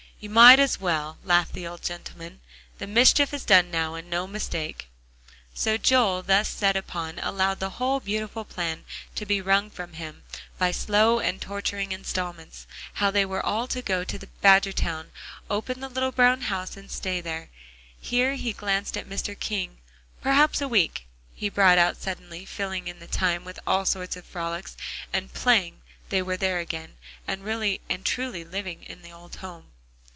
"You might as well," laughed the old gentleman, "the mischief is done now, and no mistake." So Joel, thus set upon, allowed the whole beautiful plan to be wrung from him, by slow and torturing installments; how they all were to go to Badgertown, open the little brown house, and stay there here he glanced at Mr. King "perhaps a week," he brought out suddenly, filling the time with all sorts of frolics, and playing they were there again, and really and truly living in the old home.